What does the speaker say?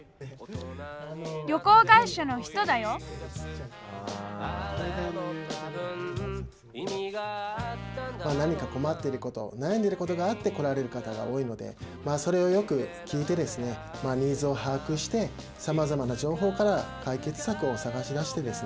旅行会社の人だよ何か困ってることなやんでることがあって来られる方が多いのでそれをよく聞いてですねニーズをはあくしてさまざまな情報から解決策を探し出してですね